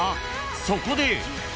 ［そこで］